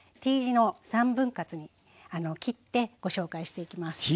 Ｔ字の３分割に切ってご紹介していきます。